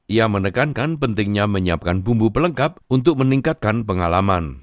ia menekankan pentingnya menyiapkan bumbu pelengkap untuk meningkatkan pengalaman